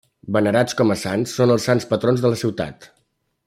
Venerats com a sants, són els sants patrons de la ciutat.